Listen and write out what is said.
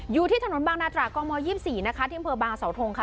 อยู่ที่ถนนบางนาทรากลองม๒๔นะคะเดี๋ยวเผลอบางสาวทงค่ะ